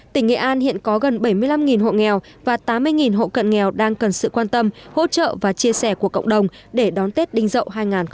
tỉnh nghệ an hiện có gần bảy mươi năm hộ nghèo và tám mươi hộ cận nghèo đang cần sự quan tâm hỗ trợ và chia sẻ của cộng đồng để đón tết đinh dậu hai nghìn hai mươi